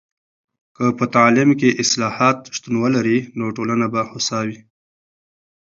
که په تعلیم کې اصلاحات شتون ولري، نو ټولنه به هوسا وي.